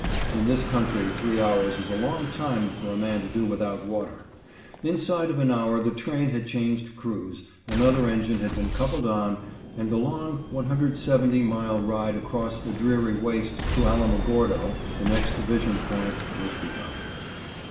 (In this country three hours is a long time for a man to do without water.) Inside of an hour the train had changed crews, another engine had been coupled on, and the long 175 mile ride across the dreary waste to Alamogordo (the next division point) was begun.